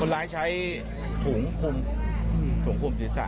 คนร้ายใช้ถุงคลุมศรีษะ